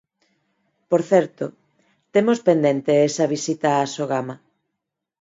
Por certo, temos pendente esa visita a Sogama.